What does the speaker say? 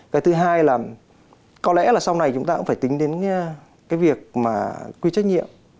cái thứ hai là có lẽ là sau này chúng ta cũng phải tính đến cái việc mà quy trách nhiệm